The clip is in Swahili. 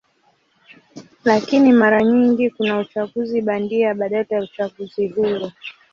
Lakini mara nyingi kuna uchaguzi bandia badala ya uchaguzi huru.